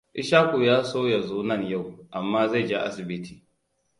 Ishaku ya so ya zo nan yau, amma zai je asibiti.